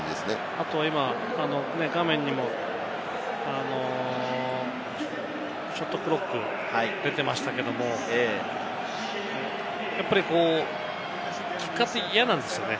あと画面にも今、ショットクロックが出てましたけれども、やっぱりキッカーって嫌なんですよね。